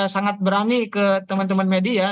sangat berani ke teman teman media